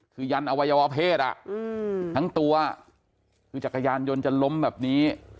คือยันอวัยวะเพศทั้งตัวคือจักรยานยนต์จะล้มแบบนี้